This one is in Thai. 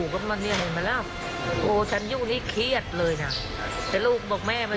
ก็ทำเนินการจัดการไปตามกฎหมาย